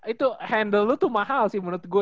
itu handle lo tuh mahal sih menurut gue